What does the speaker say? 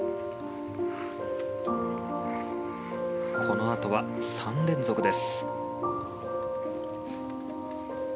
このあとは３連続です。